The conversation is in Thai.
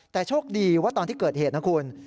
แต่โชคดีว่าตอนที่เกิดเหตุนะคุณ